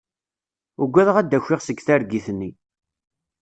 Uggadeɣ ad d-akiɣ seg targit-nni.